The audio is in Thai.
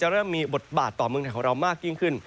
เริ่มมีบทบาทต่อเมืองไทยของเรามากยิ่งขึ้น